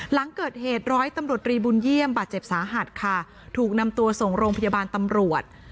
หลังเกิดเหตุร้อยตำรวจรีบุญเยี่ยมบาดเจ็บสาหัสค่ะถูกนำตัวส่งโรงพยาบาลตำรวจ